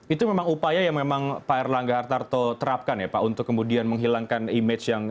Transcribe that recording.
itu memang upaya yang memang pak erlangga hartarto terapkan ya pak untuk kemudian menghilangkan image yang